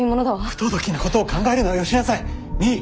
不届きなことを考えるのはよしなさい。